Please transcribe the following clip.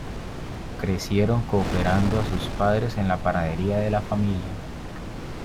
Crecieron cooperando a su padre en la panadería de la familia.